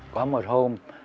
có một hôm